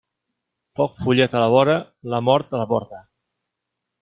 Foc follet a la vora, la mort a la porta.